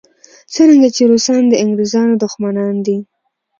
څرنګه چې روسان د انګریزانو دښمنان دي.